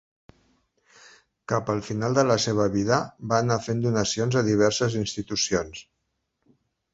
Cap al final de la seva vida, va anar fent donacions a diverses institucions.